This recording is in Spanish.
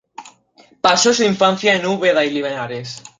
Pasó su infancia en Úbeda y en Linares.